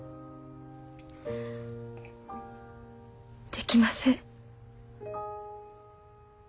できません。